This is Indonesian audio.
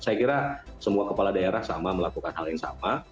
saya kira semua kepala daerah sama melakukan hal yang sama